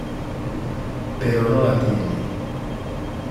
Pero no la tiene".